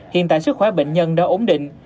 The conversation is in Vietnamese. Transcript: hiện tại sức khỏe bệnh nhân đã ổn định